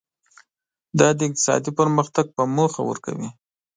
دا د اقتصادي پرمختګ په موخه ورکوي.